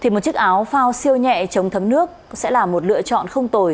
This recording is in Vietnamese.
một chiếc áo phao siêu nhẹ chống thấm nước sẽ là một lựa chọn không tồi